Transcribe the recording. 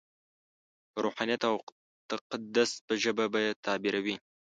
په روحانیت او تقدس په ژبه به یې تعبیروي.